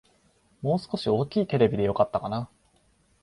もう少し大きいテレビでよかったかな